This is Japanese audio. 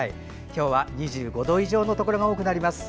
今日は２５度以上のところが多くなります。